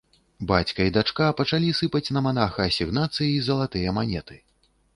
Бацька і дачка пачалі сыпаць на манаха асігнацыі і залатыя манеты.